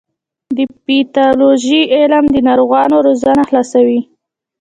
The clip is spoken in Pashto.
د پیتالوژي علم د ناروغیو رازونه خلاصوي.